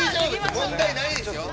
問題ないですよ。